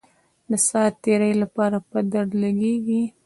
د ساعت تیرۍ لپاره په درد لګېږي.